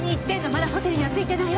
まだホテルには着いてないわ。